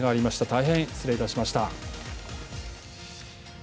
大変失礼いたしました。